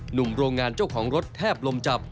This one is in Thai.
หนุ่มโรงงานเจ้าของรถแทบลมจับ